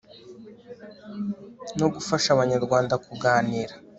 no gufasha abanyarwanda kuganira